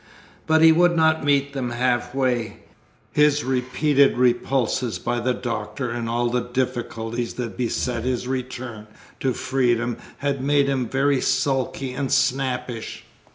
But he would not meet them half way; his repeated repulses by the Doctor and all the difficulties that beset his return to freedom had made him very sulky and snappish.